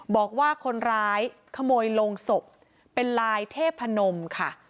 บอกว่าคนร้ายขโมยโรงศพเป็นลายเทพนมค่ะ